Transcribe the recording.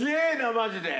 マジで。